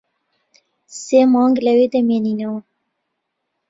سێ مانگ لەوێ دەمێنینەوە.